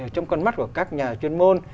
trong con mắt của các nhà chuyên môn